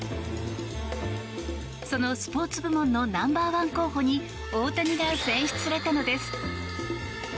そのスポーツ部門のナンバー１候補に大谷が選出されたのです。